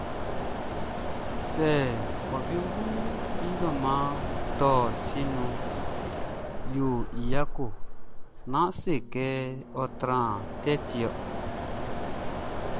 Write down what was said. Ô Wiégoun Mʼdôman Torh Siʼn nouh, yo y yako...Nan sékê, wa tranman pka tiorh.